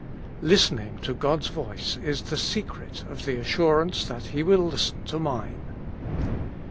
Listening to God's voice is the secret of the assurance that He will listen to mine.